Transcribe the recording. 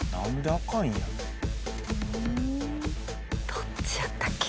どっちやったっけ。